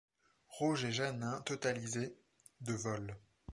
Roger Janin totalisait de vol.